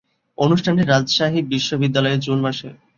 অনুষ্ঠানটি রাজশাহী বিশ্বনিদ্যালয়ে জুন মাসে অনুষ্ঠিত হয়েছিলো।